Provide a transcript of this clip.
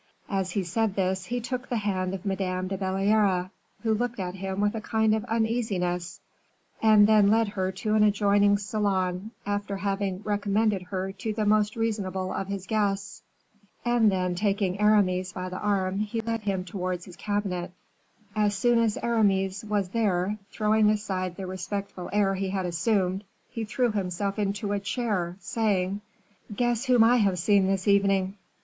As he said this, he took the hand of Madame de Belliere, who looked at him with a kind of uneasiness, and then led her to an adjoining salon, after having recommended her to the most reasonable of his guests. And then, taking Aramis by the arm, he led him towards his cabinet. As soon as Aramis was there, throwing aside the respectful air he had assumed, he threw himself into a chair, saying: "Guess whom I have seen this evening?"